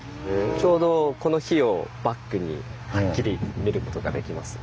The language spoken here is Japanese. ちょうどこの碑をバックにはっきり見ることができます。